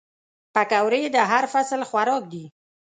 پکورې د هر فصل خوراک دي